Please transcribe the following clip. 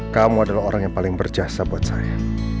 kamu adalah orang yang paling berjasa buat saya